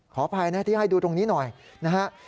ขออภัยนะที่ให้ดูตรงนี้หน่อยนะฮะ